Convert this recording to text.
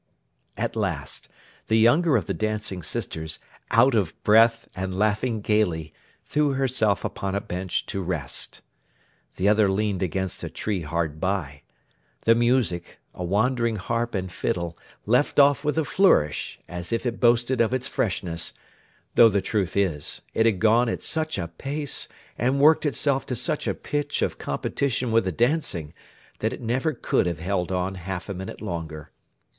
At last, the younger of the dancing sisters, out of breath, and laughing gaily, threw herself upon a bench to rest. The other leaned against a tree hard by. The music, a wandering harp and fiddle, left off with a flourish, as if it boasted of its freshness; though the truth is, it had gone at such a pace, and worked itself to such a pitch of competition with the dancing, that it never could have held on, half a minute longer.